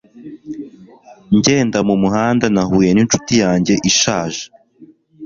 ngenda mumuhanda, nahuye ninshuti yanjye ishaje